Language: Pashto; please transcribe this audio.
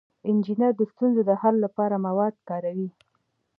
انجینر د ستونزو د حل لپاره مواد کاروي.